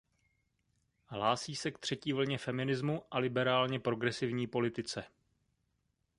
Hlásí se k třetí vlně feminismu a liberálně progresivní politice.